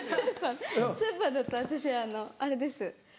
スーパーだったら私あのあれです。